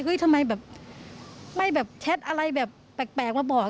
ทำไมแบบไม่แบบแชทอะไรแบบแปลกมาบอก